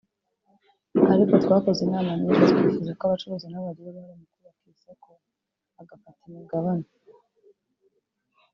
ariko twakoze inama nyinshi twifuza ko abacuruzi nabo bagira uruhare mu kubaka iri soko bagafata imigabane